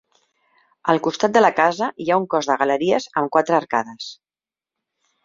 Al costat de la casa hi ha un cos de galeries amb quatre arcades.